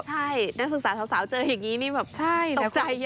ใช่นักศึกษาสาวเจออย่างนี้นี่แบบตกใจเยอะ